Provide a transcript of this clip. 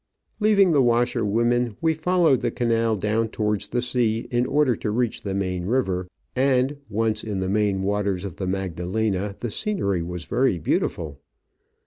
Leaving the washerwomen, we followed the canal down towards the sea in order to reach the main river, and, once in the main waters of the Magdalena, the scenery was very beautiful.